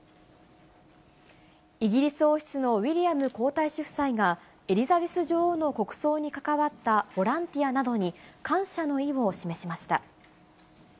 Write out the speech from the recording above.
イギリス王室のウィリアム皇太子夫妻が、エリザベス女王の国葬に関わったボランティアなどに、感謝の意を示しました。